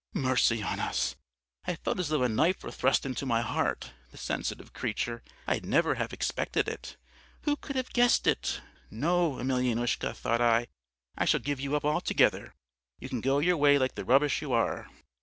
Mercy on us! I felt as though a knife were thrust into my heart! The sensitive creature! I'd never have expected it. Who could have guessed it? No, Emelyanoushka, thought I, I shall give you up altogether. You can go your way like the rubbish you are.